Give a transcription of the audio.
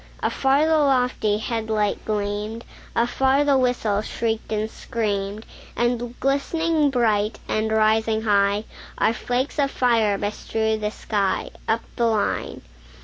Afar the lofty head light gleamed; Afar the whistle shrieked and screamed; And glistening bright, and rising high, Our flakes of fire bestrewed the sky, Up the line.